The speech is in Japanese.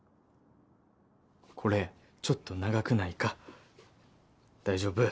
これちょっと長くないか大丈夫？